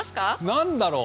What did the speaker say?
何だろう？